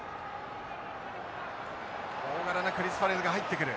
大柄なクリスファレルが入ってくる。